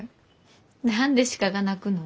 何で鹿が鳴くの？